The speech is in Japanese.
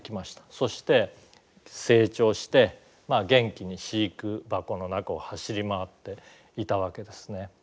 そして成長して元気に飼育箱の中を走り回っていたわけですね。